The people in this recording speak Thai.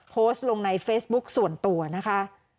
โพสต์ลงในเฟซบุ๊คส่วนตัวนะคะ